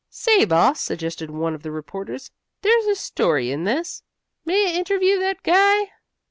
"Say, boss," suggested one of the reporters. "There's a story in this. May I interview that guy?"